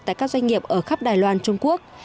tại các doanh nghiệp ở khắp đài loan trung quốc